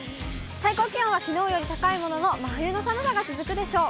最高気温はきのうより高いものの、真冬の寒さが続くでしょう。